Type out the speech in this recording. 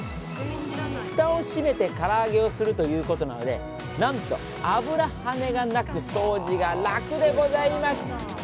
ふたを閉めてから揚げをするということなので、なんと油はねがなく、掃除が楽でございます。